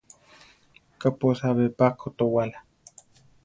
Kaʼpósa be pa kotowála?